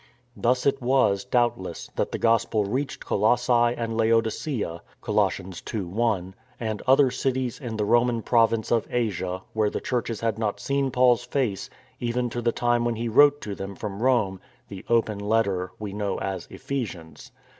Thus it was, doubtless, that the Gospel reached Co lossae and Laodicea (Col, ii. i) and other cities in the Roman province of Asia, where the churches had not seen Paul's face even to the time when he wrote to them from Rome the *' open letter " we know as " Ephesians."